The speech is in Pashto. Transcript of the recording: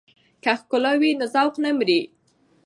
که ښکلا وي نو ذوق نه مري.